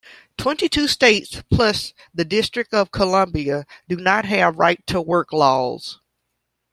Twenty-two states, plus the District of Columbia, do not have right-to-work laws.